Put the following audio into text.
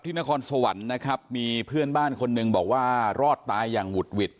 นครสวรรค์นะครับมีเพื่อนบ้านคนหนึ่งบอกว่ารอดตายอย่างหุดหวิด